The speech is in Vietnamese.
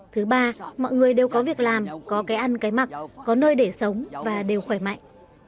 thứ ba mọi người đều có việc làm có cái ăn cái mặc có nơi để sống và đều khỏe mạnh